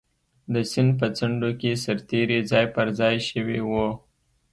د سیند په څنډو کې سرتېري ځای پر ځای شوي وو.